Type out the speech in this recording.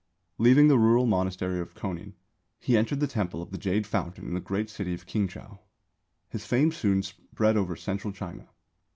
Leaving the rural monastery of Kōnin, he entered the Temple of the Jade fountain in the great city of Kingchau. His fame soon spread over central China.